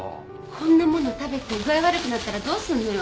こんなもの食べて具合悪くなったらどうすんのよ？